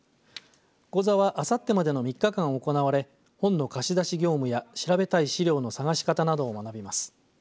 講座は、あさってまでの３日間行われ、本の貸し出し業務や調べたい資料の探し方など学びます。